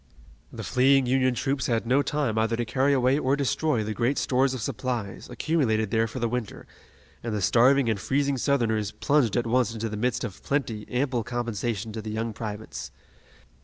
The fleeing Union troops had no time either to carry away or destroy the great stores of supplies, accumulated there for the winter, and the starving and freezing Southerners plunged at once into the midst of plenty, ample compensation to the young privates.